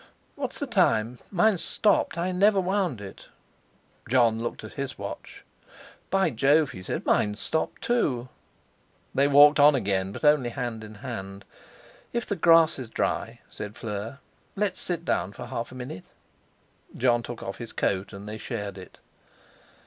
What's the time? Mine's stopped. I never wound it." Jon looked at his watch. "By Jove!" he said, "mine's stopped; too." They walked on again, but only hand in hand. "If the grass is dry," said Fleur, "let's sit down for half a minute." Jon took off his coat, and they shared it.